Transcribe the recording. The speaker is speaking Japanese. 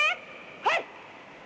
はい！